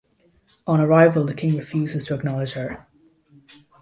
On arrival the king refuses to acknowledge her.